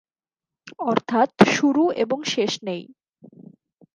অর্থাৎ শুরু এবং শেষ নেই।